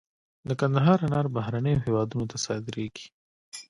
د کندهار انار بهرنیو هیوادونو ته صادریږي